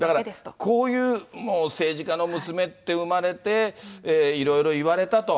だからこういう政治家の娘って生まれて、いろいろ言われたと。